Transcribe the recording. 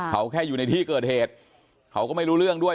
เขาแค่อยู่ในที่เกิดเหตุเขาก็ไม่รู้เรื่องด้วย